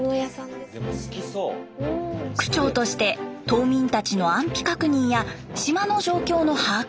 区長として島民たちの安否確認や島の状況の把握